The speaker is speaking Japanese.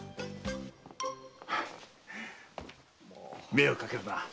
迷惑かけるな。